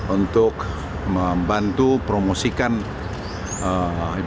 untuk membuat ikn kembali ke indonesia